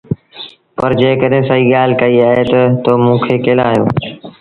پر جيڪڏهينٚ سهيٚ ڳآل ڪئيٚ اهي تا تو موٚنٚ کي ڪݩهݩ لآ هݩيو؟